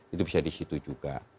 itu bisa di situ juga